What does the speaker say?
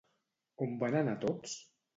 On van anar tots?